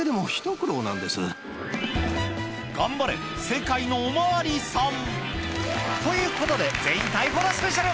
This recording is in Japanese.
世界のお巡りさんということで全員逮捕だスペシャル！